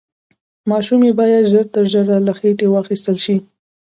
ماشوم يې بايد ژر تر ژره له خېټې واخيستل شي.